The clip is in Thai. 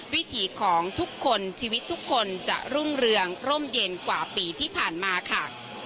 วิถีของทุกคนชีวิตทุกคนจะรุ่งเรืองร่มเย็นกว่าปีที่ผ่านมาค่ะ